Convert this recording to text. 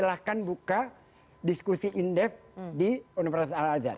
silahkan buka diskusi indef di universitas al azhar